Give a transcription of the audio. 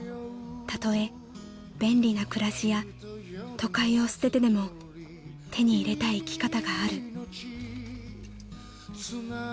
［たとえ便利な暮らしや都会を捨ててでも手に入れたい生き方がある］